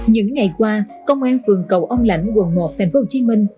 những ngày qua công an phường cầu ông lãnh quận một thành phố hồ chí minh